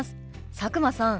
佐久間さん